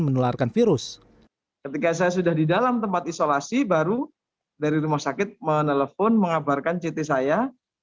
ketika saya sudah di dalam tempat isolasi baru dari rumah sakit menelpon mengabarkan ct saya tiga puluh lima delapan puluh satu